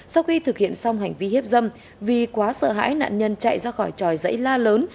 sau khi thực hiện xong hành vi hiếp dâm vì quá sợ hãi nạn nhân chạy ra khỏi tròi dãy la lớn